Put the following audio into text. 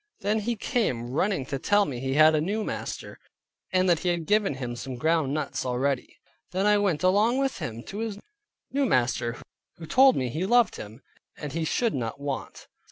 Then he came running to tell me he had a new master, and that he had given him some ground nuts already. Then I went along with him to his new master who told me he loved him, and he should not want.